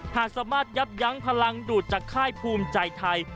หากสามารถยับยั้งพลังดูดจากค่ายภูมิใจไทย